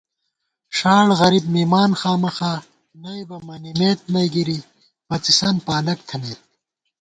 ݭاڑ غریب مِمان خامَخا، نئیبہ منِمېت نئ گِرِی، پڅِسن پالَک تھنَئیت